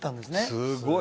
すごい！